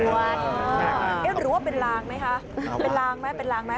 หรือว่าเป็นลางไหมคะเป็นลางไหมเป็นลางไหม